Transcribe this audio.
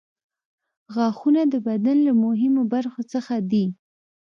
غاښونه د بدن له مهمو برخو څخه دي.